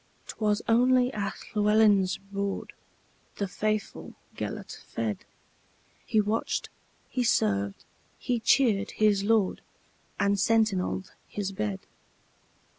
'T was only at Llewelyn's boardThe faithful Gêlert fed; He watched, he served, he cheered his lord, And sentineled his bed.